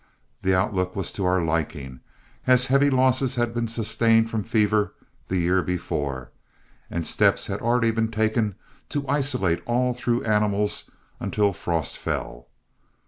The outlook was to our liking, as heavy losses had been sustained from fever the year before, and steps had already been taken to isolate all through animals until frost fell.